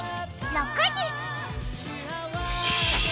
６時！